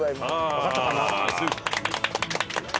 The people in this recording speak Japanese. わかったかな？